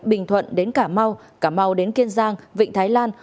bình thuận đến cà mau cả mau đến kiên giang vịnh thái lan